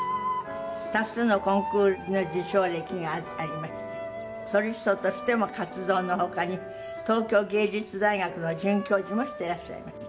多数のコンクールの受賞歴がありましてソリストとしても活動の他に東京藝術大学の准教授もしていらっしゃいます。